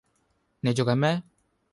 你做緊咩